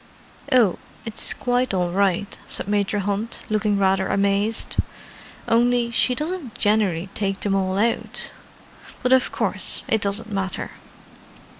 "Oh, it's quite all right," said Major Hunt, looking rather amazed. "Only she doesn't generally take them all out. But of course it doesn't matter."